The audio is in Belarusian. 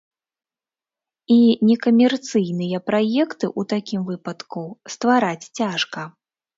І некамерцыйныя праекты ў такім выпадку ствараць цяжка.